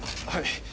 はい。